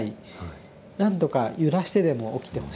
何とか揺らしてでも起きてほしい。